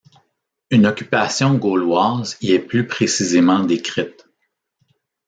Une occupation gauloise y est plus précisément décrite.